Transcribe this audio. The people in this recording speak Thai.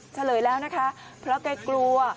เฉลยแล้วนะคะเพราะแกกลัว